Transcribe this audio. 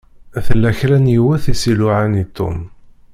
Tella kra n yiwet i s-iluɛan i Tom.